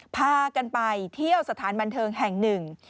พากันไปเที่ยวสถานบันเทิงแห่งหนึ่ง